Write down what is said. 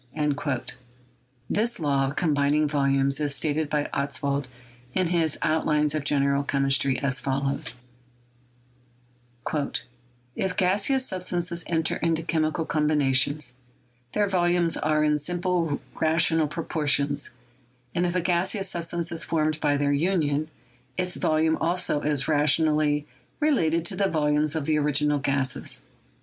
ATOMIC THEORY— WORK OF DAVY 197 This law of combining volumes is stated by Ostwald in his "Outlines of General Chemistry" as follows: "If gaseous substances enter into chemical combination, their volumes are in simple rational proportions, and if a gaseous substance is formed by their union, its volume also is rationally related to the volumes of the original gases."